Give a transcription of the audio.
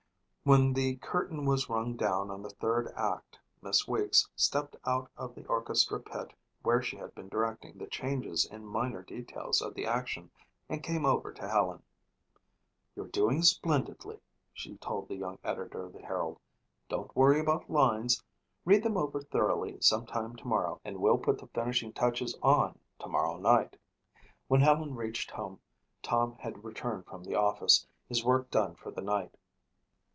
When the curtain was rung down on the third act Miss Weeks stepped out of the orchestra pit where she had been directing the changes in minor details of the action and came over to Helen. "You're doing splendidly," she told the young editor of the Herald. "Don't worry about lines. Read them over thoroughly sometime tomorrow and we'll put the finishing touches on tomorrow night." When Helen reached home Tom had returned from the office, his work done for the night.